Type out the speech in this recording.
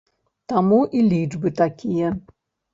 Таму і лічбы такія.